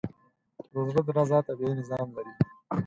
د زړه درزا طبیعي نظام لري.